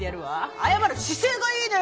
謝る姿勢がいいね！